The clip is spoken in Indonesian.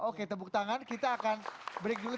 oke tepuk tangan kita akan break dulu